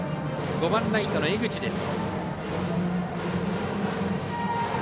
５番ライトの江口です。